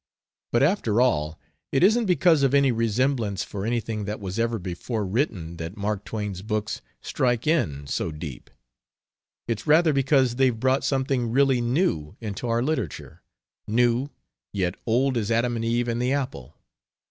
But after all, it isn't because of any resemblance for anything that was ever before written that Mark Twain's books strike in so deep: it's rather because they've brought something really new into our literature new, yet old as Adam and Eve and the Apple.